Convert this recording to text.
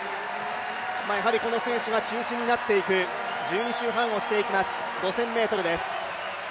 この選手が中心になっていく、１２周半をしていきます、５０００ｍです。